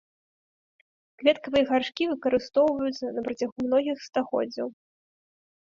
Кветкавыя гаршкі выкарыстоўваюцца на працягу многіх стагоддзяў.